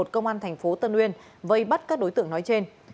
một trăm bảy mươi một công an tp tân uyên vây bắt các đối tượng nói trên